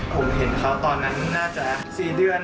ผมเห็นเขาตอนนั้นน่าจะ๔เดือน